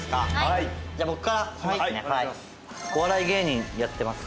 お笑い芸人やってます。